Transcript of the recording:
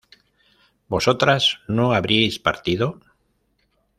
¿vosotras no habríais partido?